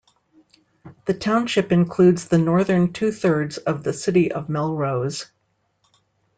The township includes the northern two-thirds of the City of Melrose.